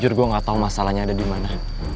jujur gue gak tau masalahnya ada dimana